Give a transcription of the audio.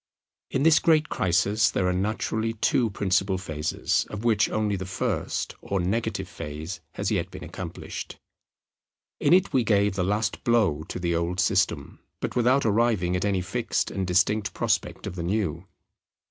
In this great crisis there are naturally two principal phases; of which only the first, or negative, phase has yet been accomplished. In it we gave the last blow to the old system, but without arriving at any fixed and distinct prospect of the new.